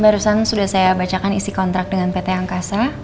barusan sudah saya bacakan isi kontrak dengan pt angkasa